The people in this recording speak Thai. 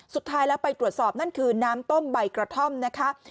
สุดท้ายแล้วไปตรวจสอบนั่นคือน้ำต้มใบกระท่อมนะคะ